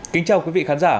kính chào quý vị khán giả